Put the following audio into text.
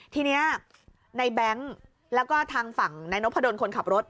ทีนี้ในแบงค์แล้วก็ทางฝั่งนายนพดลคนขับรถ